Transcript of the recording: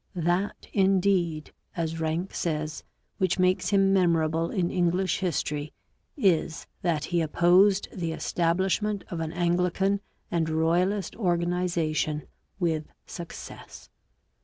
That indeed, as Ranke says, which makes him memorable in English history is that he opposed the establishment of an Anglican and Royalist organization with success.